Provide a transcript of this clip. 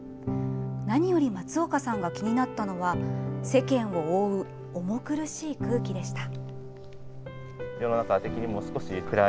何より松岡さんが気になったのは、世間を覆う重苦しい空気でした。